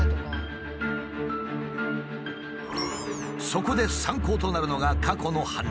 そこで参考となるのが過去の判例。